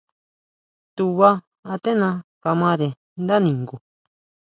Tubá aténa kamare ndá ningu.